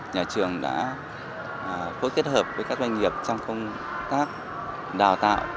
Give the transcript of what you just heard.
nhà trường đã cố kết hợp với các doanh nghiệp trong công tác đào tạo